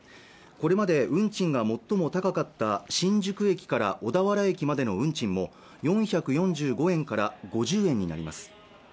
これまで運賃が最も高かった新宿駅から小田原駅までの運賃も４４５円から５０円になります